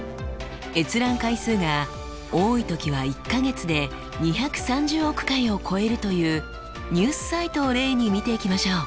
閲覧回数が多い時は１か月で２３０億回を超えるというニュースサイトを例に見ていきましょう。